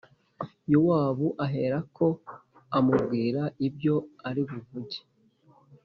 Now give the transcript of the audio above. Yowabu aherako amubwira ibyo ari buvuge.